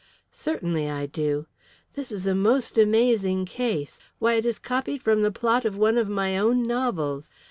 "Certainly I do. This is a most amazing case. Why, it is copied from the plot of one of my own novels.